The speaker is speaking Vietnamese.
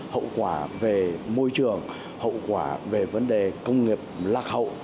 hậu quả về môi trường hậu quả về vấn đề công nghiệp lạc hậu